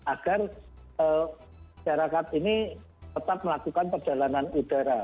agar syarakat ini tetap melakukan perjalanan udara